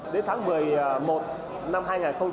đến tháng một mươi một năm hai nghìn hai mươi ba